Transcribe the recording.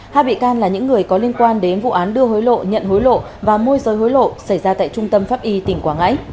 hai bị can là những người có liên quan đến vụ án đưa hối lộ nhận hối lộ và môi rơi hối lộ xảy ra tại trung tâm pháp y tỉnh quảng ngãi